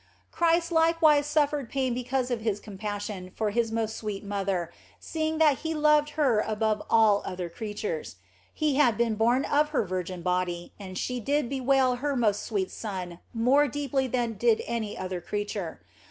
OF FOLIGNO 77 Christ likewise suffered pain because of His compassion for His most sweet mother, seeing that He loved her above all other creatures. He had been born of her virgin body, and she did bewail her most sweet Son more deeply than did any other creature.